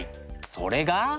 それが。